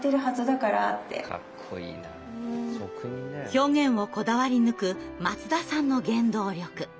表現をこだわりぬく松田さんの原動力。